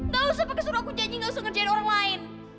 gak usah pakai suruh aku janji gak usah ngerjain orang lain